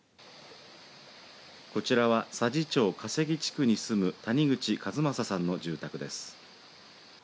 こちらは佐治町加瀬木地区に住む谷口和正さんの住宅です。